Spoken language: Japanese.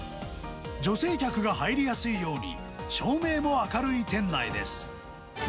女性客が入りやすいように、照明も明るい店内です。